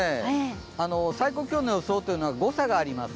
最高気温の予想は誤差があります。